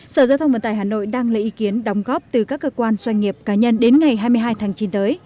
sở giao thông vận tải hà nội đang lấy ý kiến đóng góp từ các cơ quan doanh nghiệp cá nhân đến ngày hai mươi hai tháng chín tới